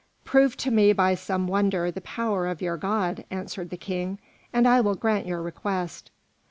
"Prove to me by some wonder the power of your god," answered the King, "and I will grant your request."